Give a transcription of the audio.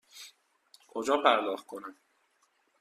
کجا پرداخت کنم؟